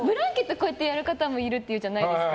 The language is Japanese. こうやってやる方もいるって言うじゃないですか。